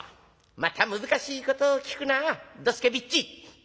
「また難しいことを聞くなドスケビッチ。